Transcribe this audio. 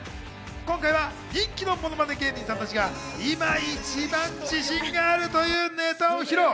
今回は人気のものまね芸人さんたちが今、一番自信があるというネタを披露。